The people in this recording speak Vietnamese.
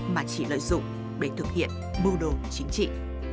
mà chỉ lợi dụng để thực hiện mưu đồ chính trị